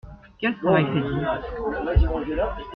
Quel travail faites-vous ?